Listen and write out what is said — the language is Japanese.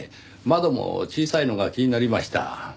窓も小さいのが気になりました。